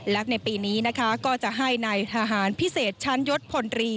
และในปีนี้นะคะก็จะให้ในทหารพิเศษชั้นยศพลตรี